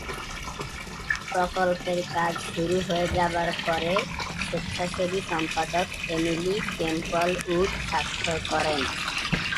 প্রকল্পের কাজ শুরু হয়ে যাবার পরে, স্বেচ্ছাসেবী সম্পাদক এমিলি টেম্পল-উড স্বাক্ষর করেন।